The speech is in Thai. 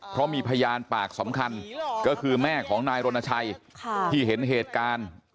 เพราะมีพยานปากสำคัญก็คือแม่ของนายรณชัยที่เห็นเหตุการณ์